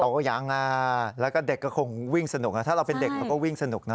ก็ยังแล้วก็เด็กก็คงวิ่งสนุกนะถ้าเราเป็นเด็กเราก็วิ่งสนุกนะ